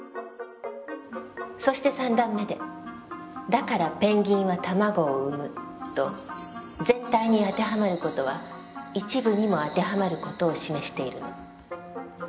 そして三段目で「だからペンギンは卵を産む」と全体に当てはまる事は一部にも当てはまる事を示しているの。